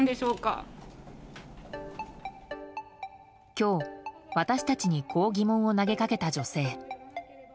今日、私たちにこう疑問を投げかけた女性。